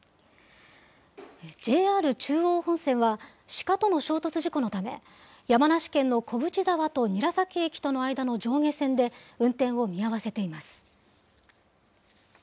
ＪＲ中央本線は、鹿との衝突事故のため、山梨県の小淵沢と韮崎駅との間の上下線で運転を見合わせています。